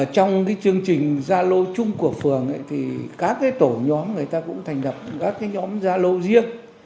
trong cái chương trình zalo chung của phường thì các tổ nhóm người ta cũng thành đập các nhóm zalo riêng